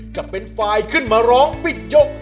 จะเป็นไฟล์ขึ้นมาร้องปิดยก